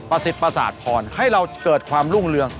สิทธิ์ประสาทพรให้เราเกิดความรุ่งเรือง